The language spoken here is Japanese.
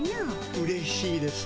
うれしいです。